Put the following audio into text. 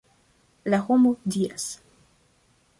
La homo diras.